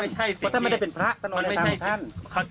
มันก็มันก็เป็นตัวแทนขององค์พระพุทธเจ้า